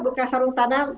buka sarung tangan